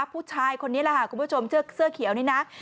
ผู้ชายคนนี้แหละค่ะคุณผู้ชมเสื้อเขียวนี่นะ